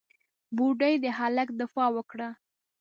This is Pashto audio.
بوډۍ د هلک دفاع وکړه.